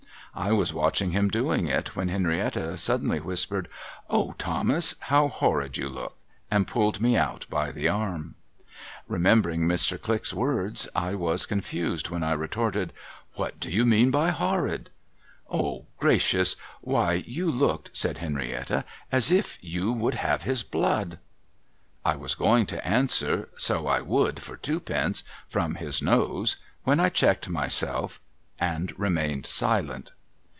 I was watching him doing it, when Henrietta suddenly whispered, ' Oh, Thomas, how horrid you look !' and pulled me out by the arm. Remembering Mr. Click's words, I was confused when I retorted, ' What do you mean by horrid ?'' Oh gracious ! Why, you looked,' said Henrietta, ' as if you would have his blood.' I was going to answer, 'So I would, for twopence from his nose,' when I checked myself and remained silent.